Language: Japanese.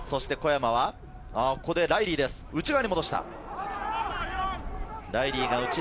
ここでライリーです、内側に戻した。